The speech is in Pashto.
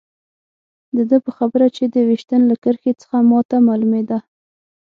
د ده په خبره چې د ویشتن له کرښې څخه ما ته معلومېده.